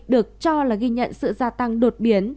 được cho là ghi nhận sự gia tăng đột biến